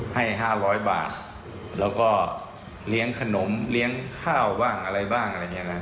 ให้๕๐๐บาทแล้วก็เลี้ยงขนมเลี้ยงข้าวบ้างอะไรบ้าง